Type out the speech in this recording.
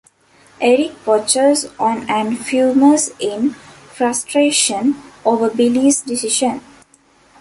Eric watches on and fumes in frustration over Billy's decision.